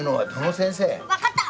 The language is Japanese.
分かった！